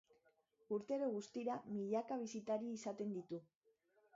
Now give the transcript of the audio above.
Urtero, guztira, milaka bisitari izaten ditu.